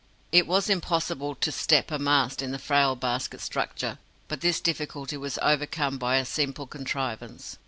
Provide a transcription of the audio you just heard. It was impossible to "step" a mast in the frail basket structure, but this difficulty was overcome by a simple contrivance.